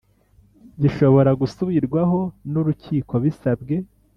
Gishobora gusubirwaho n urukiko bisabwe